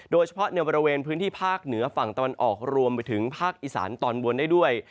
โดยเฉพาะในบริเวณพื้นที่ภาคเหนือฝั่งตะวันออกรวมไปถึงภาคอีสานตอนบนได้ด้วย